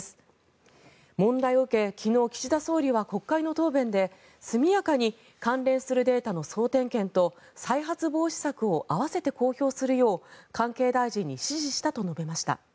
問題を受け、昨日岸田総理は国会の答弁で速やかに関連するデータの総点検と再発防止策を併せて公表するよう関係大臣に指示したと述べました。